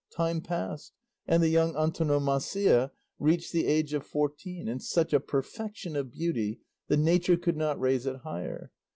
Time passed, and the young Antonomasia reached the age of fourteen, and such a perfection of beauty, that nature could not raise it higher.